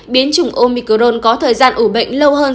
biến chủng omicron có thời gian ủ bệnh lâu hơn